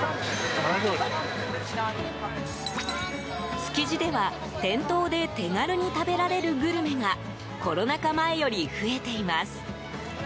築地では店頭で手軽に食べられるグルメがコロナ禍前より増えています。